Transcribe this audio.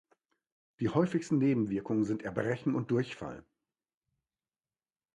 Die häufigsten Nebenwirkungen sind Erbrechen und Durchfall.